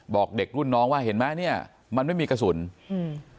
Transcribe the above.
บอกเด็กรุ่นน้องว่าเห็นไหมเนี้ยมันไม่มีกระสุนอืม